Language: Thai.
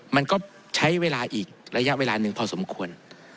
มันก็ใช้เวลาอีกระยะเวลาหนึ่งพอสมควร